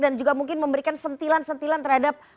dan juga mungkin memberikan sentilan sentilan terhadap